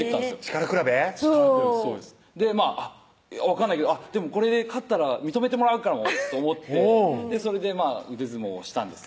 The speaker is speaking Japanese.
力比べそうです分かんないけどこれで勝ったら認めてもらえるかもと思ってそれで腕相撲したんですね